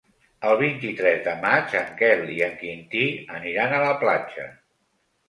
El vint-i-tres de maig en Quel i en Quintí aniran a la platja.